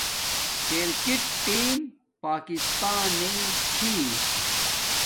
کرکٹ ٹیم پاکستانݵ چھی